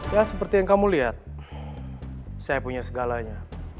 ya seperti yang kamu lihat saya punya segalanya